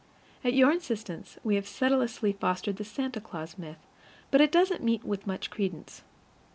At your insistence, we have sedulously fostered the Santa Claus myth, but it doesn't meet with much credence.